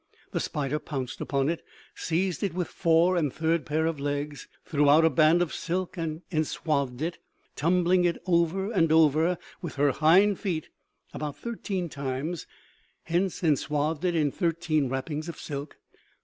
The spider pounced upon it, seized it with fore and third pair of legs, threw out a band of silk and enswathed it, tumbling it over and over with her hind feet about thirteen times, hence enswathed it in thirteen wrappings of silk.